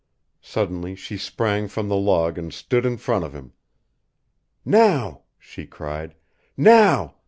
Suddenly she sprang from the log and stood in front of him. "Now!" she cried. "Now!"